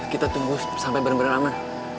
kita tunggu sampai bener bener aman